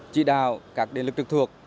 chỉ đạo các điện lực trực thuộc